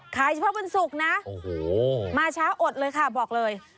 ขายเฉพาะวันศุกร์นะมาเช้าอดเลยค่ะบอกเลย